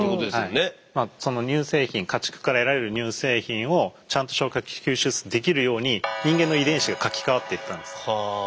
その乳製品家畜から得られる乳製品をちゃんと消化吸収できるように人間の遺伝子が書き換わっていったんです。